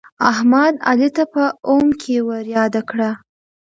احمد، علي ته په اوم کې ورياده کړه.